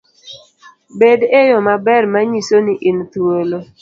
Bed eyo maber manyiso ni in thuolo